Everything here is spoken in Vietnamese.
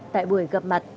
tại buổi gặp mặt